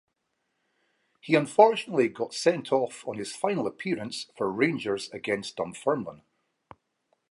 He unfortunately got sent off on his final appearance for Rangers against Dunfermline.